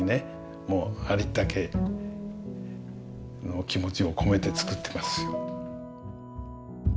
もうありったけの気持ちを込めて作ってます。